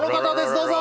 どうぞ！